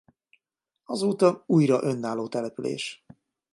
Azóta újra önálló település.